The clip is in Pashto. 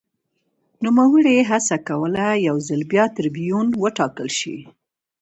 نوموړي هڅه کوله یو ځل بیا ټربیون وټاکل شي